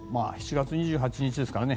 ７月２８日ですからね。